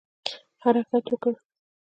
حرکت وکړ.